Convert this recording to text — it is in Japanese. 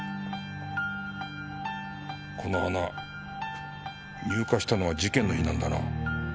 この花入荷したのは事件の日なんだな。